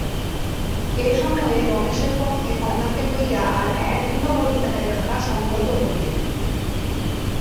এ সময়ে রমেশের পক্ষে কমলাকে লইয়া আর এক দিনও কলিকাতায় থাকা সংগত হইবে না।